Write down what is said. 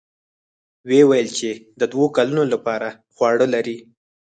ويې ويل چې د دوو کلونو له پاره خواړه لري.